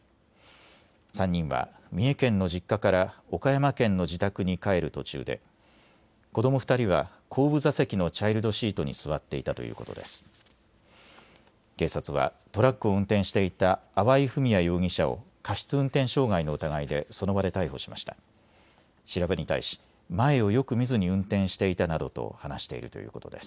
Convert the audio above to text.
３人は三重県の実家から岡山県の自宅に帰る途中で子ども２人は後部座席のチャイルドシートに座っていたということです。